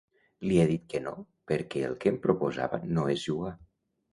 Li he dit que no perquè el que em proposava no és jugar.